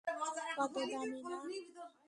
কত দামী না?